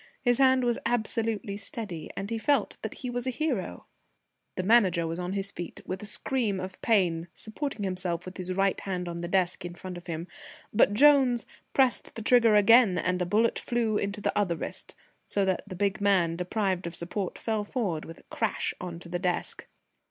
His hand was absolutely steady, and he felt that he was a hero. The Manager was on his feet, with a scream of pain, supporting himself with his right hand on the desk in front of him, but Jones pressed the trigger again, and a bullet flew into the other wrist, so that the big man, deprived of support, fell forward with a crash on to the desk.